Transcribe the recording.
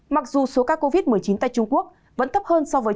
mặc dù số ca covid một mươi chín tại trung quốc vẫn thấp hơn so với trung quốc